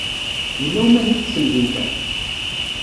Yella umahil deg temdint-a?